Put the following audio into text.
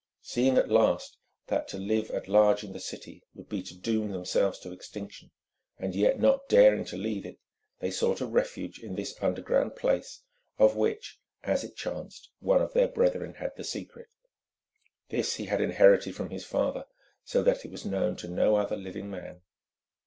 Seeing, at last, that to live at large in the city would be to doom themselves to extinction, and yet not daring to leave it, they sought a refuge in this underground place, of which, as it chanced, one of their brethren had the secret. This he had inherited from his father, so that it was known to no other living man.